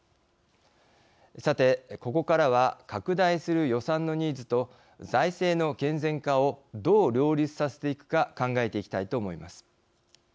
さて、ここからは拡大する予算のニーズと財政の健全化をどう両立させていくか考えていきたいと思います。